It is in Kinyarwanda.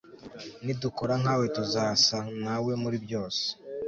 ni dukora nkawe tuzasa nawe muribyose